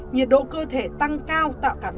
nhiệt độ cơ thể tăng cao